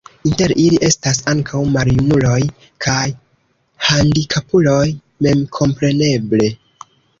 Inter ili estas ankaŭ maljunuloj kaj handikapuloj memkompreneble.